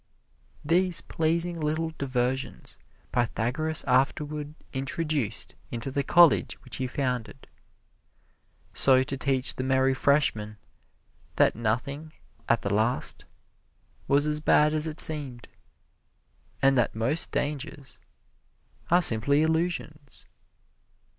These pleasing little diversions Pythagoras afterward introduced into the college which he founded, so to teach the merry freshmen that nothing, at the last, was as bad as it seemed, and that most dangers are simply illusions.